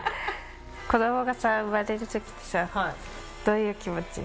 子どもがさ、産まれるときってさ、どういう気持ち？